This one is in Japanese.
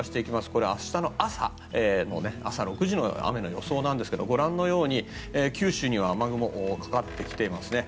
これ、明日の朝朝６時の雨の予想なんですがご覧のように九州には雨雲がかかってきていますね。